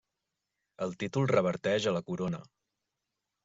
El títol reverteix a la Corona.